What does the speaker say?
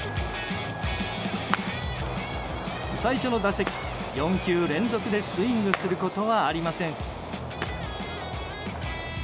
最初の打席、４球連続でスイングすることはありません。